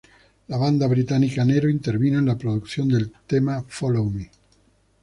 La banda británica Nero, intervino en la producción del tema "Follow Me".